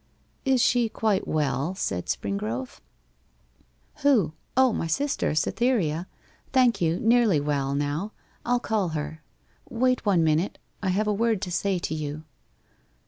'Is she quite well?' said Springrove. 'Who? O, my sister, Cytherea. Thank you, nearly well, now. I'll call her.' 'Wait one minute. I have a word to say to you.